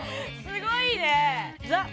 すごいね。